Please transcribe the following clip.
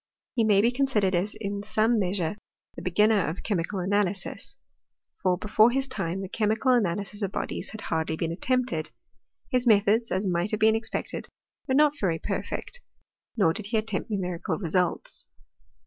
He may be considered as in some measure the beginner of chemical analysis ; for, before his time, the chemical analysis of bodies had hardly been attempted. His methods, as might have been expected, were not very perfect; nor did he attempt numerical results.